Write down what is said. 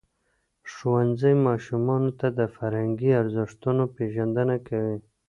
ښوونځی ماشومانو ته د فرهنګي ارزښتونو پېژندنه کوي.